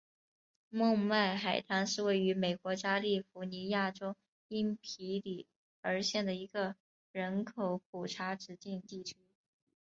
孟买海滩是位于美国加利福尼亚州因皮里尔县的一个人口普查指定地区。